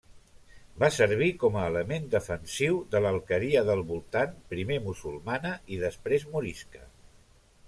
Va servir com a element defensiu de l'alqueria del voltant, primer musulmana i després morisca.